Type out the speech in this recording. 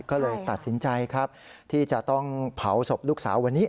ก็เลยตัดสินใจครับที่จะต้องเผาศพลูกสาววันนี้